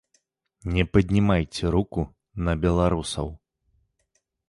Не паднімайце руку на беларусаў.